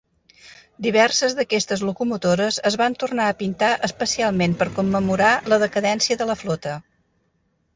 Diverses d'aquestes locomotores es van tornar a pintar especialment per commemorar la decadència de la flota.